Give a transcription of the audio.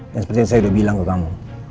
dan seperti yang saya udah bilang ke kamu